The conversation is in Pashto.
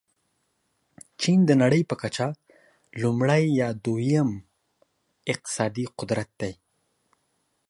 چین د نړۍ په کچه لومړی یا دوم اقتصادي قدرت دی.